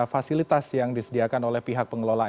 fasilitas yang disediakan oleh pihak pengelola